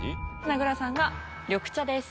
名倉さんが緑茶です。